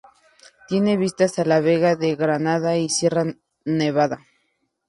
Tiene vistas a la Vega de Granada y Sierra Nevada.